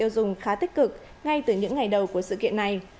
hiệu ứng từ người tiêu dùng khá tích cực ngay từ những ngày đầu của sự kiện này